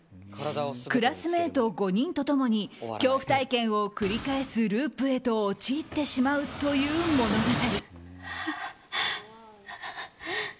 クラスメート５人と共に恐怖体験を繰り返すループへと陥ってしまうという物語。